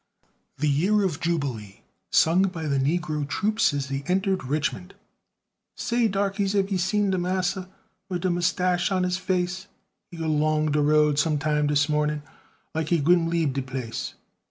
THE YEAR OF JUBILEE [Sung by the negro troops as they entered Richmond] Say, darkeys, hab you seen de massa, Wid de muffstash on he face, Go long de road some time dis mornin', Like he gwine leabe de place?